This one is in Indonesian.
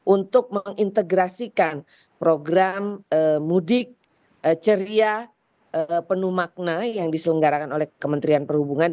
untuk mengintegrasikan program mudik ceria penuh makna yang diselenggarakan oleh kementerian perhubungan